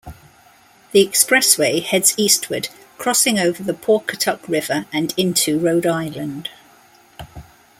The expressway heads eastward, crossing over the Pawcatuck River and into Rhode Island.